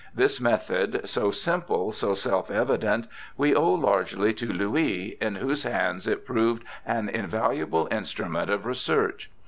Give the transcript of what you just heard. This method, so simple, so self evident, we owe largely to Louis, in whose hands it proved an invaluable instrument of research.